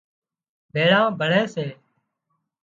ڀيۯان ڀۯي سي